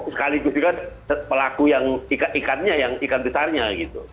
sekaligus juga pelaku yang ikan ikannya yang ikan besarnya gitu